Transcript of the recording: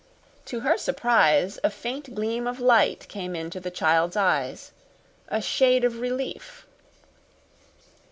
To her surprise, a faint gleam of light came into the child's eyes a shade of relief.